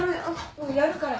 もうやるから。